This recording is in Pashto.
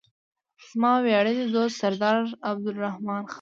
زما ویاړلی دوست سردار عبدالرحمن خان.